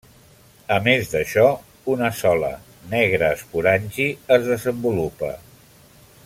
A més d'això, una sola, negre esporangi es desenvolupa.